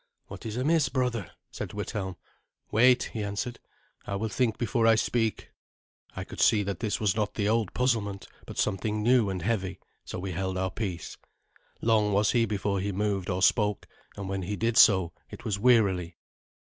"What is amiss, brother?" said Withelm. "Wait," he answered. "I will think before I speak." I could see that this was not the old puzzlement, but something new and heavy, so we held our peace. Long was he before he moved or spoke, and when he did so it was wearily.